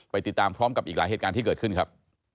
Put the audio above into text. ติดตามพร้อมกับอีกหลายเหตุการณ์ที่เกิดขึ้นครับ